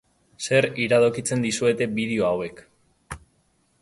Zer iradokitzen dizuete bideo hauek?